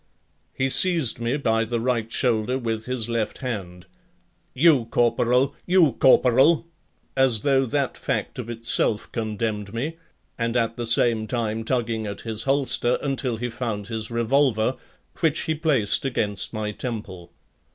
He seized me by the right shoulder with his left hand: "You Corporal! You Corporal!" as though that fact of itself condemned me, and at the same time tugging at his holster until he found his revolver, which he placed against my temple.